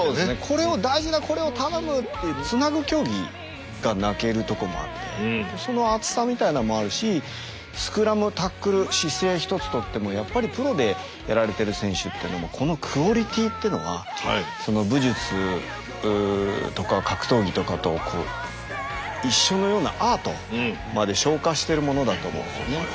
これを大事なこれを頼むっていうつなぐ競技が泣けるとこもあってそのアツさみたいなのもあるしスクラムタックル姿勢一つとってもやっぱりプロでやられてる選手ってのもこのクオリティーっていうのは武術とか格闘技とかと一緒のようなアートまで昇華してるものだと思うんですよね。